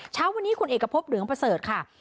เช้าวันนี้คุณเอกพบเหลืองประเสริฐค่ะ